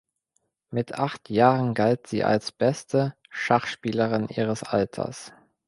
Mit acht Jahren galt sie als beste Schachspielerin ihres Alters.